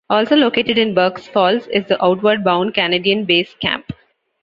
Also located in Burk's Falls is the Outward Bound Canadian Base Camp.